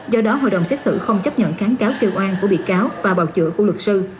do đó hội đồng xét xử không chấp nhận kháng cáo kêu an của bị cáo và bào chữa của luật sư